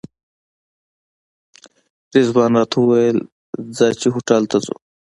رضوان راته وویل ځه چې هوټل ته ځو.